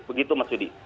begitu mas sudi